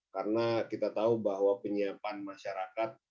karena kita tahu bahwa penyiapan masyarakat